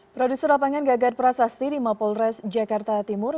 produser lapangan gagat prasasti di mapolres jakarta timur